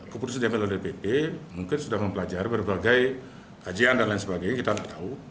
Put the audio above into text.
keputusan dprd mungkin sudah mempelajari berbagai kajian dan lain sebagainya kita tahu